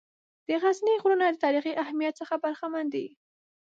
د غزني غرونه د تاریخي اهمیّت څخه برخمن دي.